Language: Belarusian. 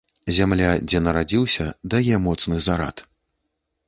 Зямля, дзе нарадзіўся, дае моцны зарад.